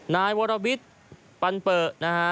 นายวรวิสปันเป๋อนะฮะ